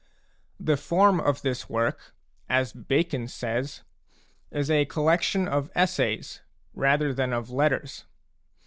The form of this work, as Bacon says, is a col lection of essays rather than of letters.